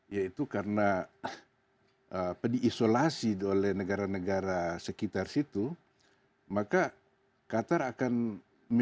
yaitu karena diisolasi oleh negara negara sekitar situ maka qatar akan memilih